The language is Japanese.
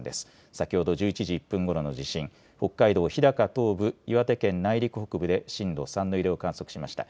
先ほど１１時１分ごろの地震、北海道日高東部、岩手県内陸北部で震度３の揺れを観測しました。